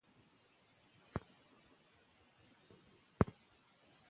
په کوچنیو شیانو خوشحاله شئ.